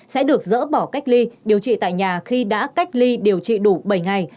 sẽ được dỡ bỏ cách ly điều trị tại nhà khi đã cách ly điều trị đủ bảy ngày